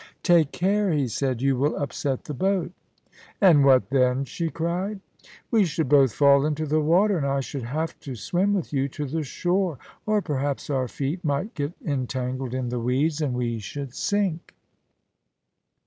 * Take care,' he said ;* you will upset the boat' ' And what then ?* she cried * We should both fall into the water, and I should have to swim with you to the shore ; or perhaps our feet might get entangled in the weeds, and we should sink.'